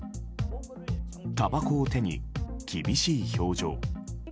たばこを手に、厳しい表情。